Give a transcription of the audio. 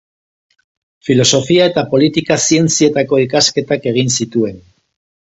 Filosofia eta Politika Zientzietako ikasketak egin zituen.